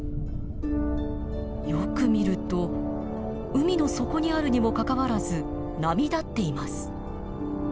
よく見ると海の底にあるにもかかわらず波立っています。